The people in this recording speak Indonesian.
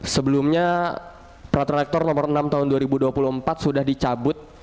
sebelumnya peraturan rektor nomor enam tahun dua ribu dua puluh empat sudah dicabut